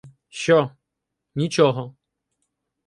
— Що? Нічого.